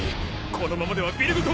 このままではビルごと。